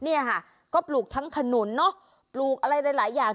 เนี่ยค่ะก็ปลูกทั้งขนุนเนอะปลูกอะไรหลายอย่าง